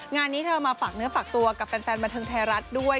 งานนี้เธอมาฝากเนื้อฝากตัวกับแฟนบันเทิงไทยรัฐด้วย